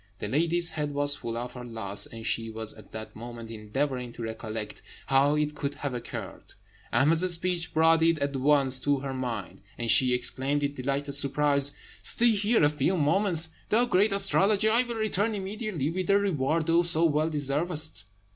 The lady's head was full of her loss, and she was at that moment endeavouring to recollect how it could have occurred. Ahmed's speech brought it at once to her mind, and she exclaimed in delighted surprise: "Stay here a few moments, thou great astrologer. I will return immediately with the reward thou so well deservest."